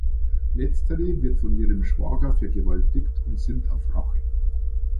Letztere wird von ihrem Schwager vergewaltigt und sinnt auf Rache.